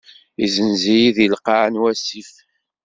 Yezzenz-iyi deg lqaɛ n wasif.